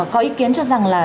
có ý kiến cho rằng là